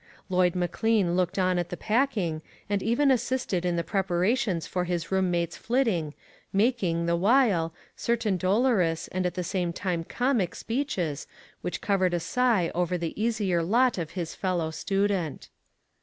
Lloyd McLean looked on at the packing, and even assisted in the prepara tions for his room mate's flitting, making, the while, certain dolorous, and the same time comic speeches which covered a sigh over the easier lot of his fellow student.